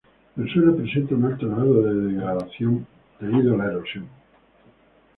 El suelo presenta un alto grado de degradación por la erosión.